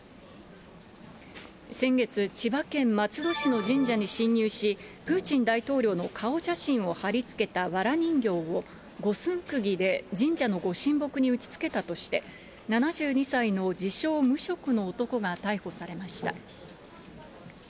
先月、千葉県松戸市の神社に侵入し、プーチン大統領の顔写真を貼りつけたわら人形を五寸くぎで神社のご神木に打ち付けたとして、７２歳の自称無職の男が逮捕されました。